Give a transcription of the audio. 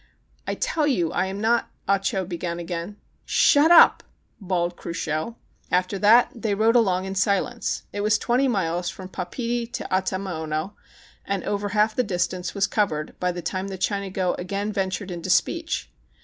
"I tell you I am not ã " Ah Cho began again. "Shut up!" bawled Cruchot. After that they rode along in silence. It was twenty miles from Papeete to Atimaono, and over half the distance was covered by the time the Chinago again ventured into speech.